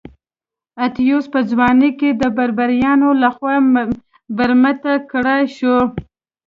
اتیوس په ځوانۍ کې د بربریانو لخوا برمته کړای شو.